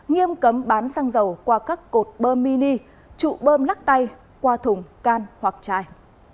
nghiêm cấm bán xăng dầu qua các cột bơm mini trụ bơm lắc tay qua thùng can hoặc chai